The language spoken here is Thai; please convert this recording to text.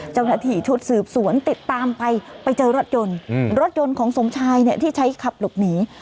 เจ้าหน้าที่ชุดสืบสวนติดตามไปไปเจอรถยนต์รถยนต์ของสมชายเนี่ยที่ใช้ขับหลบหนี